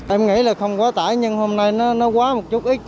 em nghĩ là không quá tải nhưng hôm nay nó quá một chút ít